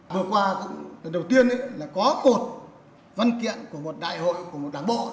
vừa qua cũng lần đầu tiên là có một văn kiện của một đại hội của một đảng bộ